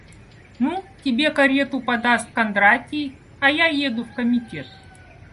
Ну, тебе карету подаст Кондратий, а я еду в комитет.